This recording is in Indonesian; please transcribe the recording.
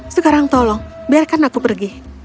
sekarang tolong biarkan aku pergi